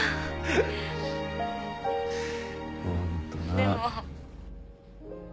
でも。